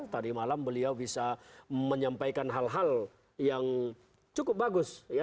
tadi malam beliau bisa menyampaikan hal hal yang cukup bagus